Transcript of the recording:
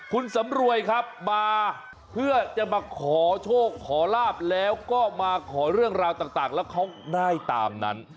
คุณสำรวยครับมาเพื่อจะมาขอโชคขอลาบแล้วก็มาขอเรื่องราวต่างแล้วเขาได้ตามนั้น